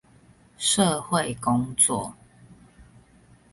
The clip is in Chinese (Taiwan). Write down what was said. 社會工作